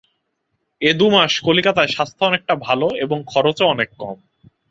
এ দু-মাস কলিকাতায় স্বাস্থ্য অনেকটা ভাল এবং খরচও অনেক কম।